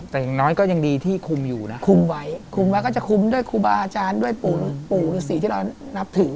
แต่ยังมีอยู่ทุกวัน